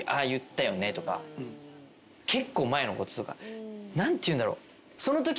結構前のこととか何ていうんだろう。